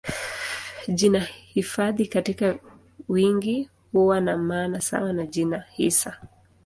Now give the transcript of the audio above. Jina hifadhi katika wingi huwa na maana sawa na jina hisa.